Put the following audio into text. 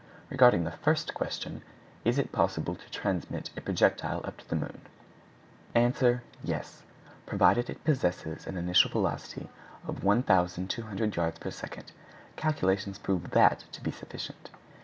Regarding the first question, "Is it possible to transmit a projectile up to the moon?" Answer.—Yes; provided it possess an initial velocity of 1,200 yards per second; calculations prove that to be sufficient.